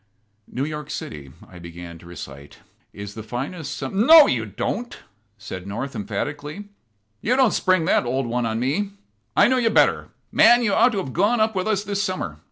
"New York City," I began to recite, "is the finest sum " "No, you don't," said North, emphatically. "You don't spring that old one on me. I know you know better. Man, you ought to have gone up with us this summer.